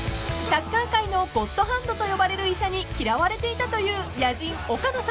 ［サッカー界のゴッドハンドと呼ばれる医者に嫌われていたという野人岡野さん］